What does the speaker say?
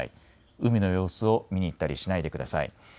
海の様子を見に行ったりしないでください。